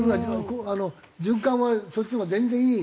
循環はそっちのほうが全然いい。